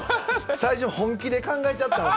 最初、本気で考えちゃったもん。